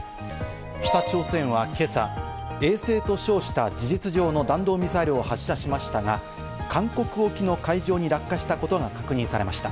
北朝鮮は今朝、衛星と称した事実上の弾道ミサイルを発射しましたが、韓国沖の海上に落下したことが確認されました。